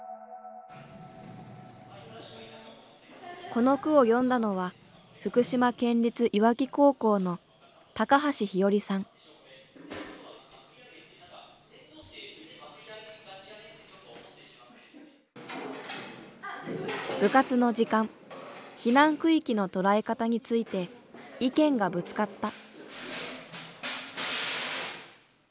この句を詠んだのは部活の時間「避難区域」の捉え方について意見がぶつかった。